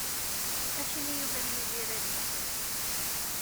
Acimi yugi ad Yidir ad yeqqim?